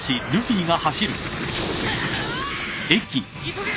急げ！